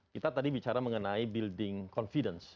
kita tadi bicara mengenai building confidence